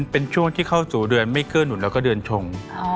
เป็นช่วงที่เข้าสู่เดือนไม่เกื้อหนุนแล้วก็เดือนชง